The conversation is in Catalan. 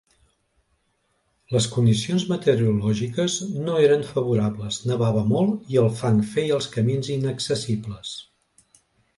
Les condicions meteorològiques no eren favorables, nevava molt i el fang feia els camins inaccessibles.